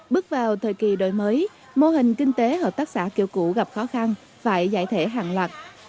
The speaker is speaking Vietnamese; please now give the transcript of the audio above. bước vào thời kỳ đổi mới mô hình kinh tế hợp tác xã kiểu cũ gặp khó khăn phải giải thể hàng loạt